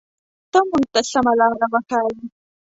ته مونږ ته سمه لاره وښایه.